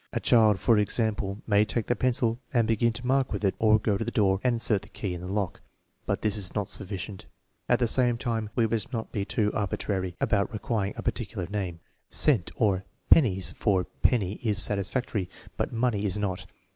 A child, for example, may take the pencil and begin to mark with it, or go to the door and insert the key in the lock; but this is not sufficient. At the same time we must not be too arbitrary about requiring a particular 144 THE MEASUREMENT OF INTELLIGENCE name. " Cent " or " pennies " for "penny" is satisfactory, but " money " is not.